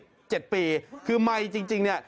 อายุยี่สิบเจ็ดปีคือไมค์จริงเนี่ย